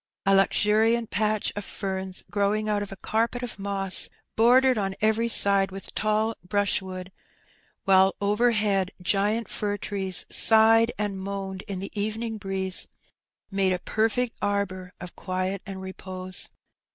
A luxuriant patch of ferns growing out of a carpet of moss, bordered on every side with tall brushwood, while overhead giant fir trees sighed and moaned in the evening breeze, made a perfect arbour of quiet and repose.